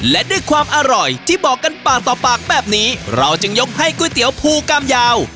และด้วยความอร่อยที่บอกกันปากต่อปากแบบนี้เราจึงยกให้ก๋วยเตี๋ยวภูกรรมยาว